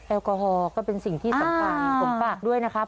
แอลกอฮอลก็เป็นสิ่งที่สำคัญผมฝากด้วยนะครับ